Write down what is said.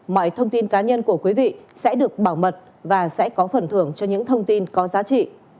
mọi thông tin cá nhân của quý vị sẽ được bảo mật và sẽ có phần thưởng cho những thông tin có giá trị